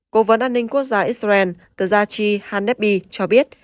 cố vấn an ninh quốc gia israel tzadzachi hanepi cho biết